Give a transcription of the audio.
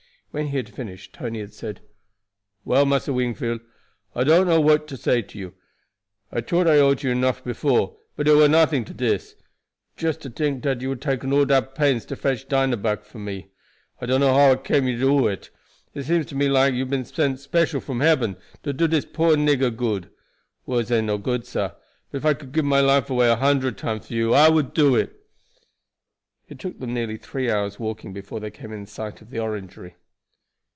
When he had finished Tony had said: "Well, Massa Wingfield, I don't know what to say to you. I tought I owed you enuff before, but it war nothing to dis. Just to tink dat you should take all dat pains to fetch Dinah back for me. I dunno how it came to you to do it. It seems to me like as if you been sent special from heben to do dis poor nigger good. Words ain't no good, sah; but if I could give my life away a hundred times for you I would do it." It took them nearly three hours' walking before they came in sight of the Orangery.